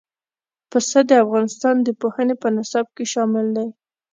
پسه د افغانستان د پوهنې په نصاب کې شامل دی.